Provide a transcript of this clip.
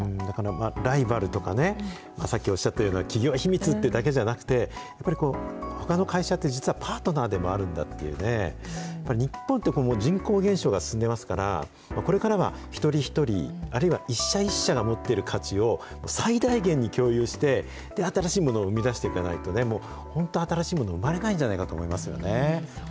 だからライバルとかね、さっきおっしゃったような企業秘密ってだけじゃなくて、やっぱりこう、ほかの会社って実はパートナーでもあるんだって、やっぱり日本って、人口減少が進んでますから、これからは一人一人、あるいは一社一社が持ってる価値を最大限に共有して、新しいものを生み出していかないとね、本当、新しいものは生まれないんじゃないかと思いますよね。